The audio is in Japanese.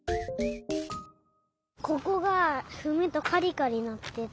ここがふむとカリカリなってた。